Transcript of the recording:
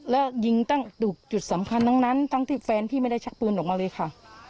แล้วยิงตั้งจุดสำคัญทั้งนั้นทั้งที่แฟนพี่ไม่ได้ชักปืนออกมาเลยค่ะ